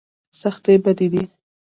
سختي بد دی.